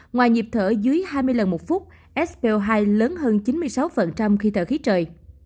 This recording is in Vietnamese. ngoài nhịp thở dưới hai mươi lần một phút sp hai lớn hơn chín mươi sáu khi thở khí trời